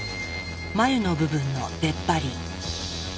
眉の部分の出っ張り。